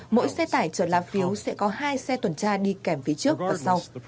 mỗi xe tải chở lá phiếu sẽ có hai xe tuần tra đi kèm phía trước và sau